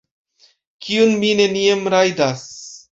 Kiun mi neniam rajdas...